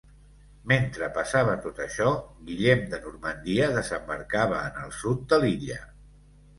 Mentre passava tot això, Guillem de Normandia desembarcava en el sud de l'illa.